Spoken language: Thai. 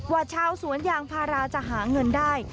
ว่าชาวสวนยางพาราจะหาเงินได้